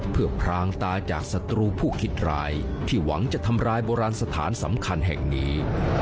เพื่อพรางตาจากศัตรูผู้คิดรายที่หวังจะทำร้ายโบราณสถานสำคัญแห่งนี้